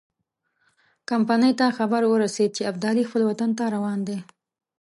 کمپنۍ ته خبر ورسېد چې ابدالي خپل وطن ته روان دی.